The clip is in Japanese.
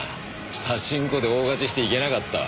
パチンコで大勝ちして行けなかったわ。